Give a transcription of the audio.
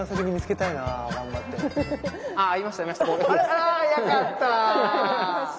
あ早かった。